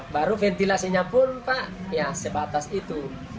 baru ventilasinya pun pak ya sebatas itu